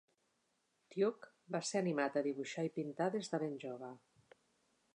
Tuke va ser animat a dibuixar i pintar des de ben jove.